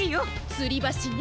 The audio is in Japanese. つりばしね。